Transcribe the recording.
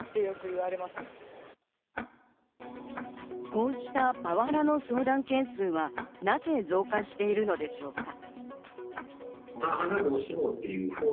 こうしたパワハラの相談件数はなぜ増加しているのでしょうか。